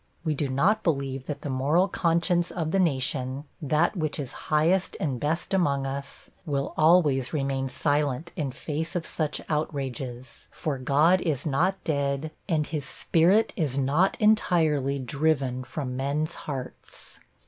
We do not believe that the moral conscience of the nation that which is highest and best among us will always remain silent in face of such outrages, for God is not dead, and His Spirit is not entirely driven from men's hearts.